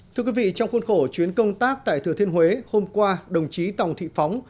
thưa quý vị trong khuôn khổ chuyến công tác tại thừa thiên huế hôm qua đồng chí tòng thị phóng